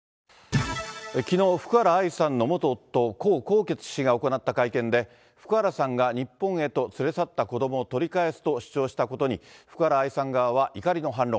きのう、福原愛さんの元夫、江宏傑氏が行った会見で、福原さんが日本へと連れ去った子どもを取り返すと主張したことに、福原愛さん側は怒りの反論。